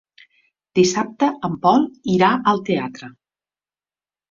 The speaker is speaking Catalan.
Dissabte en Pol irà al teatre.